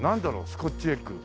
スコッチエッグ。